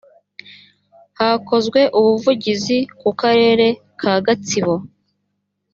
hakozwe ubuvugizi ku karere ka gatsibo